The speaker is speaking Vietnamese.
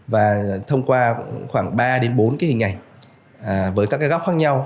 và thông qua khoảng ba bốn hình ảnh với các góc khác nhau